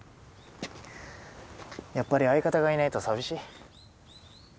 やっぱり相方がいないと寂しい？